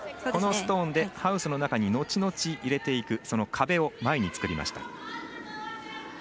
このストーンでハウスの中にのちのち入れていく壁を前に作りました。